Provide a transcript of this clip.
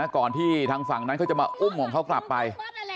ก่อนที่ทางฝั่งนั้นเขาจะมาอุ้มของเขากลับไป